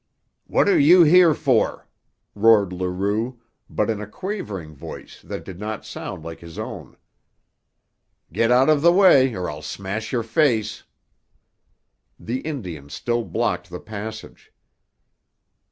"What are you here for?" roared Leroux, but in a quavering voice that did not sound like his own. "Get out of the way or I'll smash your face!" The Indian still blocked the passage.